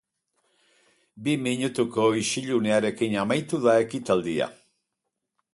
Bi minutuko isilunearekin amaitu da ekitaldia.